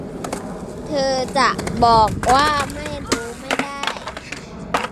เธอจะบอกว่าไม่รู้ไม่ได้